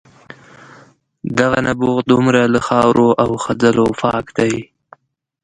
دغه نبوغ دومره له خاورو او خځلو پاک دی.